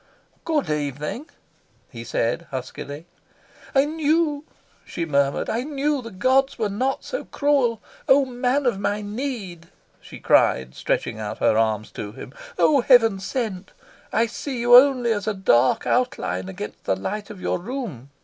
"Good evening," he said huskily. "I knew," she murmured, "I knew the gods were not so cruel. Oh man of my need," she cried, stretching out her arms to him, "oh heaven sent, I see you only as a dark outline against the light of your room.